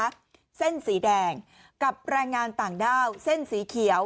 เส้นสีแดงกับแรงงานต่างด้าวเส้นสีเขียว